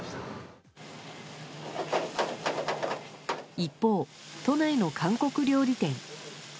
一方、都内の韓国料理店。